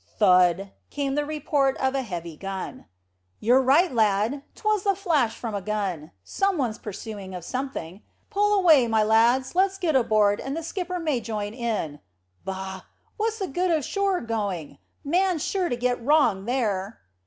Thud! came the report of a heavy gun. "You're right, lad! 'Twas the flash from a gun. Some one's pursuing of something. Pull away, my lads, let's get aboard, and the skipper may join in. Bah! What's the good o' shore going? Man's sure to get wrong there."